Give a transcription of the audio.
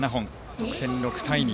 得点は６対２。